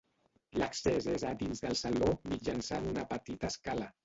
L'accés és a dins del saló mitjançant una petita escala.